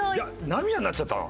「涙」になっちゃったの？